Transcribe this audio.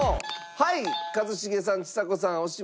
はい一茂さんちさ子さん押しました。